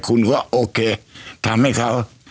คุณก็โอเคทำให้เขา